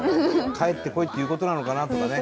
帰ってこいっていうことなのかなとかね。